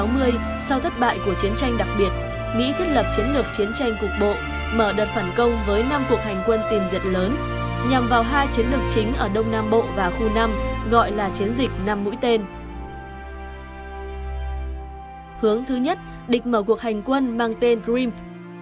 hướng thứ nhất địch mở cuộc hành quân mang tên grimp